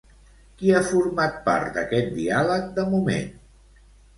Qui ha format part d'aquest diàleg de moment?